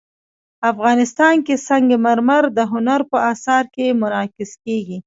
افغانستان کې سنگ مرمر د هنر په اثار کې منعکس کېږي.